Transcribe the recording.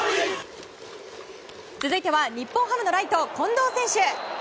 続いては日本ハムのライト近藤選手。